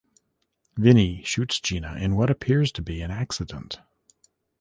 Vinnie shoots Gina in what appears to be an accident.